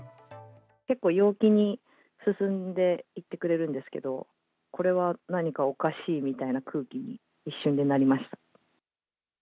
結構、陽気に進んでいってくれるんですけれども、これは何かおかしいみたいな空気に一瞬でなりました。